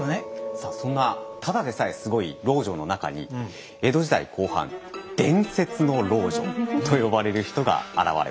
さあそんなただでさえすごい老女の中に江戸時代後半「伝説の老女」と呼ばれる人が現れます。